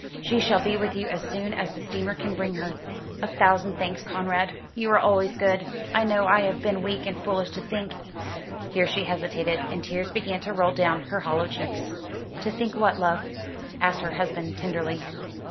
She shall be with you as soon as the steamer can bring her." "A thousand thanks, Conrad. You are always good. I know I have been weak and foolish to think " Here she hesitated, and tears began to roll down her hollow cheeks. "To think what, love?" asked her husband tenderly.